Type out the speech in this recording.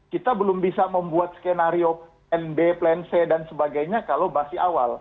kita belum bisa membuat skenario plan b plan c dan sebagainya kalau masih awal